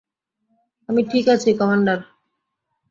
আমি ঠিক আছি, কমান্ডার।